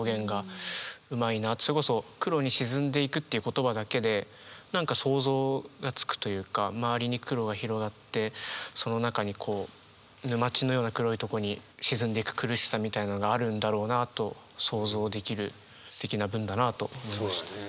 それこそ「黒に沈んでいく」っていう言葉だけで何か想像がつくというか周りに黒が広がってその中にこう沼地のような黒いとこに沈んでいく苦しさみたいなのがあるんだろうなと想像できるステキな文だなと思いました。